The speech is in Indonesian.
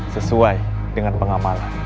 sesuai dengan pengamalan